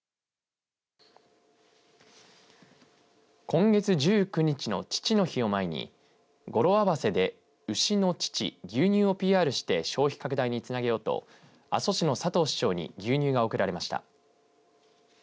今月１９日の父の日を前に語呂合わせで牛の乳、牛乳をＰＲして消費拡大につなげようと阿蘇市の佐藤市長に牛乳が贈られました。